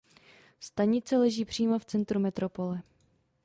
Stanice leží přímo v centru metropole.